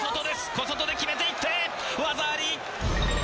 小外で決めていって技あり！